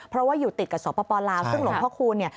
เพราะว่าอยู่ติดกับสปลาวซึ่งหลวงพ่อคูณ